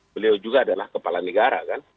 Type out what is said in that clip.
beliau juga adalah kepala negara kan